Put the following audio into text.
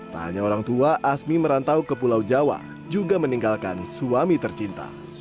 tak hanya orang tua asmi merantau ke pulau jawa juga meninggalkan suami tercinta